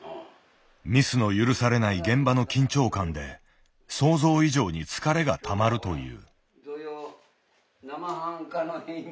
ミスの許されない現場の緊張感で想像以上に疲れがたまるという。